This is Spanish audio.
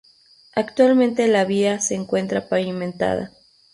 Actualmente la vía se encuentra pavimentada.